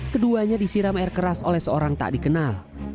keduanya disiram air keras oleh seorang tak dikenal